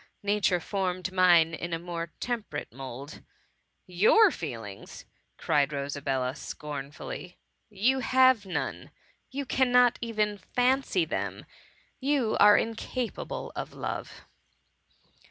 nature formed mine in a more temperate mould." " Your feelings P cried Rosabella, scorn fully I you have none — you cannot even fancy them ^you are incapable of love